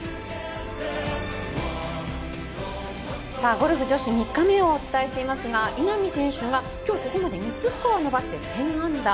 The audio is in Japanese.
ゴルフ女子３日目をお伝えしていますが稲見選手が今日ここまで３つスコアを伸ばして１０アンダー。